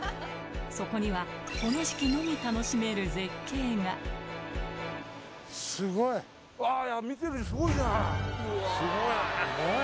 そこにはこの時期のみ楽しめる絶景がスゴいじゃん！